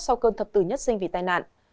sau cơn thập tử nhất sinh vì tai nạn